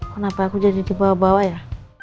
kenapa aku jadi dibawa bawa ya